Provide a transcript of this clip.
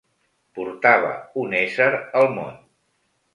Portava un ésser al món.